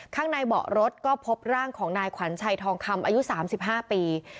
ข้างในเบาะรถก็พบร่างของนายขวัญชัยทองคำอายุ๓๕ปี